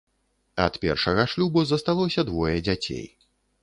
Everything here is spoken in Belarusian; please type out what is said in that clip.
Ад першага шлюбу засталося двое дзяцей.